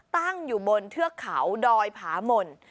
ตั้งอยู่บนเทือกเขาดอยผาหม่น